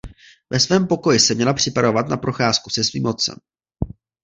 Ve svém pokoji se měla připravovat na procházku se svým otcem.